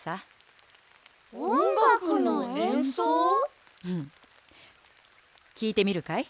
うんきいてみるかい？